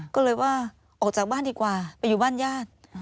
ก็เลยว่าออกจากบ้านดีกว่าไปอยู่บ้านญาติ